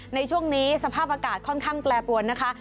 ในช่วงนี้สภาพอากาศค่อนข้างแปรปรวนนะคะ